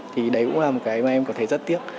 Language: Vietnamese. thì đấy cũng là một cái mà em cảm thấy rất tiếc